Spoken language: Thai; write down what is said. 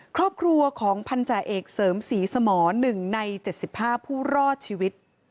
ครอบครัวของพันธาเอกเสริมศรีสมอหนึ่งในเจ็ดสิบห้าผู้รอดชีวิต